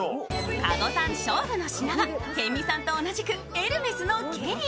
加護さんの勝負の品は辺見さんと同じくエルメスのケリー。